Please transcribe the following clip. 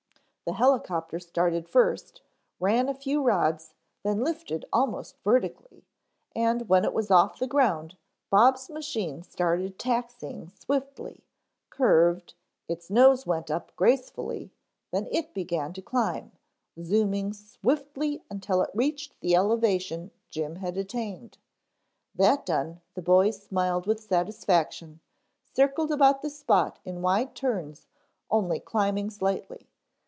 The helicopter started first, ran a few rods, then lifted almost vertically and when it was off the ground, Bob's machine started taxiing swiftly, curved, its nose went up gracefully, then it began to climb, zooming swiftly until it reached the elevation Jim had attained. That done the boys smiled with satisfaction, circled about the spot in wide turns only climbing slightly.